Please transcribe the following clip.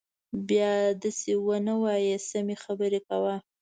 بيا دسې ونه وايي سمې خبرې کوه.